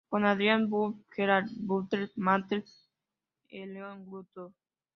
Con Adrian Dunbar, Gerard Butler, Matthew Rhys e Ioan Gruffudd.